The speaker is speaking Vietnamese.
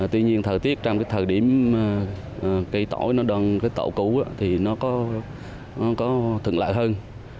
tuy nhiên thời tiết trong thời điểm tỏi đoàn tổ cũ thì nó có thuận lợi hơn